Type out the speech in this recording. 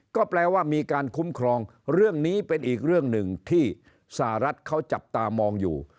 ก็แปลว่ามีการคุ้มครองเรื่องนี้เป็นอีกเรื่องหนึ่งที่สหรัฐเขาจับตามองอยู่